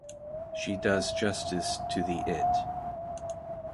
She does justice to the it.